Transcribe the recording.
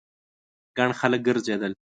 ګڼ خلک ګرځېدل.